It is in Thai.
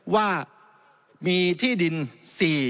ว่ามีที่ดิน๔๗ล้านไร่